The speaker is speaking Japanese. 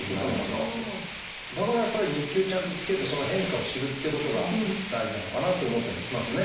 だからやっぱり日記をちゃんとつけてその変化を知るっていうことが大事なのかなと思ったりもしますね。